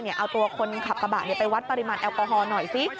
เอาตัวคนขับกระบะไปวัดปริมาณแอลกอฮอลหน่อยซิ